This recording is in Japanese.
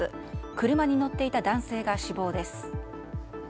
車に乗っていた男性が死亡です。